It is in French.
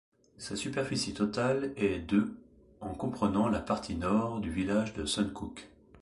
Sa superficie totale est de en comprenant la partie nord du village de Suncook.